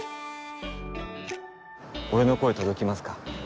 俺の声届きますか？